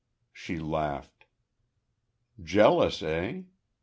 She laughed. "Jealous, eh?